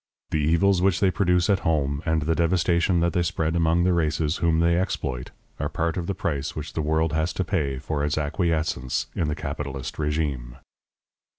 The evils which they produce at home, and the devastation that they spread among the races whom they exploit, are part of the price which the world has to pay for its acquiescence in the capitalist régime.